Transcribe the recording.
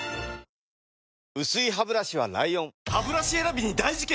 薄いハブラシは ＬＩＯＮハブラシ選びに大事件！